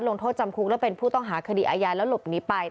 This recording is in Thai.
ลงโทษจำคุกและเป็นผู้ต้องหาคดีอาญาแล้วหลบหนีไป